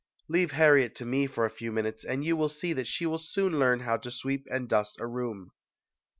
"Leave Harriet to me for a few minutes and you will see that she will soon learn how to sweep and dust a room."